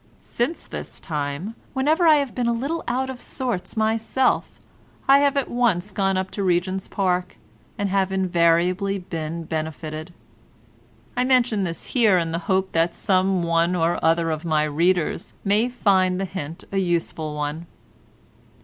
Since this time, whenever I have been a little out of sorts myself I have at once gone up to Regent's Park, and have invariably been benefited. I mention this here in the hope that some one or other of my readers may find the hint a useful one.